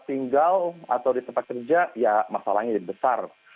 tinggal atau di tempat kerja ya masalahnya jadi besar